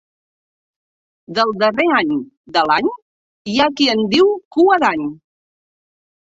Del darrer any de l'any hi ha qui en diu Cua d'Any.